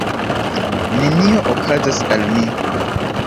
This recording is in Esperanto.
Nenio okazas al mi.